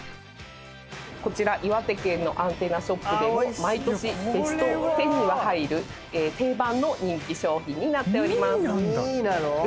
こちら岩手県のアンテナショップでも毎年ベスト１０には入る定番の人気商品になっております。